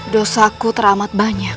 dosaku teramat banyak